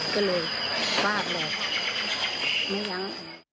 ก็เลยบ้าแบบไม่ยัง